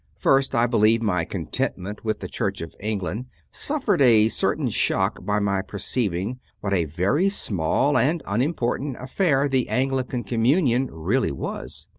i. First, I believe, my contentment with the Church of England suffered a certain shock by my perceiving what a very small and unimportant affair the Anglican communion really was.